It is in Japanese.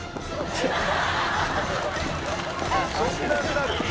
「そんなんなる？」